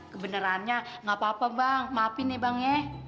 kebenerannya nggak apa apa bang maafin ya bang